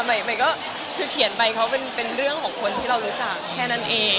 ใหม่ก็คือเขียนไปเขาเป็นเรื่องของคนที่เรารู้จักแค่นั้นเอง